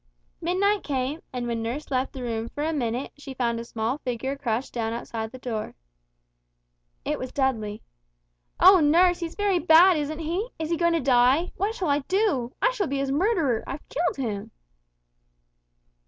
Midnight came, and when nurse left the room for a minute she found a small figure crouched down outside the door. It was Dudley. "Oh, nurse, he's very bad, isn't he? Is he going to die? What shall I do! I shall be his murderer, I've killed him!"